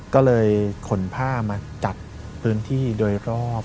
ก็เลยขนผ้ามาจัดพื้นที่โดยรอบ